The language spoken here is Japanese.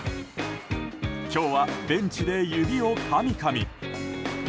今日はベンチで指をかみかみ。